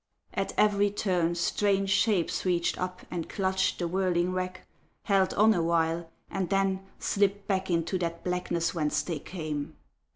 At every turn strange shapes reached up and clutched The whirling wreck, held on awhile, and then Slipt back into that blackness whence they came.